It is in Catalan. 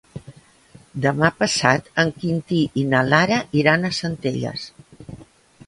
Demà passat en Quintí i na Lara iran a Centelles.